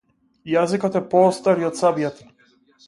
Јaзикoт е пoоcтap и oд caбjaтa.